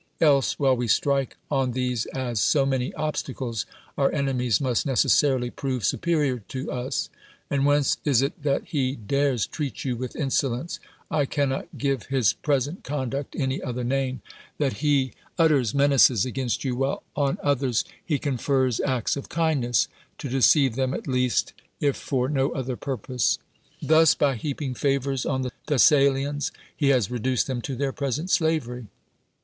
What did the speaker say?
Else, while we strike on these ;is s.) many obstacles, our enemies must neee< ;;n'ily !>i'o\ e su[)erior to us. \ml whence is it tli. it he d;)V' s treat you with insohuiee f[ can t;ot l;!\'i' his pj esent conduct any other name) ;\\\,'\ lie ult'i's menaces afrainst you. while on oIIhts he coni'ers 'icta of kindness (lo deceive them at least, if for 137 THE WORLD'S FAMOUS ORATIONS no other purpose) ? Thus, by heaping favors on tlie Thessalians, he has reduced them to their present slavery.